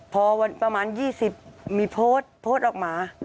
พอวันประมาณ๒๐มีโพสต์โพสต์ออกมา